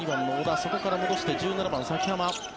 そこから戻して１７番、崎濱。